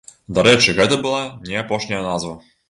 Дарэчы, гэта была не апошняя назва.